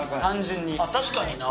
確かにな。